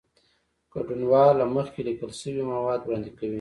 ګډونوال له مخکې لیکل شوي مواد وړاندې کوي.